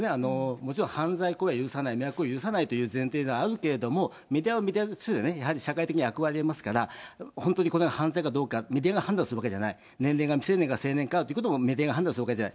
もちろん犯罪行為は許さない、迷惑行為は許さないということだけれども、メディアはメディアでやはり社会的な役割ありますから、本当にこれが犯罪かどうかメディアが判断するわけじゃない、年齢が未成年か成年かということを、メディアが判断するわけじゃない。